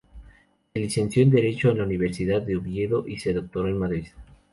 Se licenció en derecho en la Universidad de Oviedo y se doctoró en Madrid.